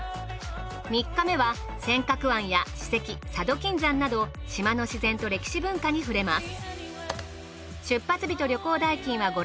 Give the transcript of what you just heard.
３日目は尖閣湾や史跡佐渡金山など島の自然と歴史文化に触れます。